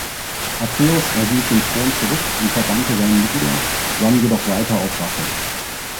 Atreus erhielt den Thron zurück und verbannte seinen Bruder, sann jedoch weiter auf Rache.